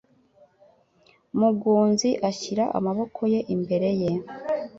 Mugunzi ashyira amaboko ye imbere ye.